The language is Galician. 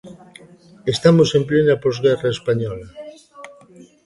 Estamos en plena posguerra española.